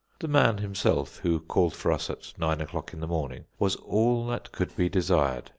The man himself, who called for us at nine o'clock in the morning, was all that could be desired.